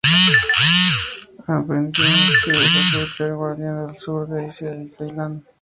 Ha emprendido un estudio de las Rubiaceae-Gardeniae del sur de Asia y Ceilán.